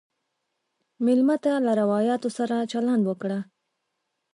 مېلمه ته له روایاتو سره چلند وکړه.